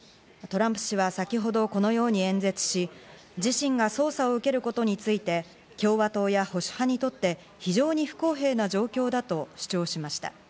トランプ氏は、先ほど、このように演説し、自身が捜査を受けることについて共和党や保守派にとって非常に不公平な状況だと主張しました。